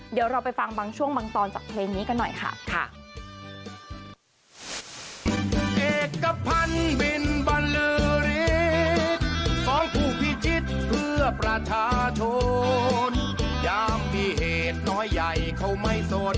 เดี๋ยวเราไปฟังบางช่วงบางตอนจากเพลงนี้กันหน่อยค่ะ